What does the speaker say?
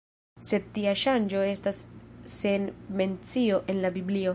Sed tia ŝanĝo estas sen mencio en la Biblio.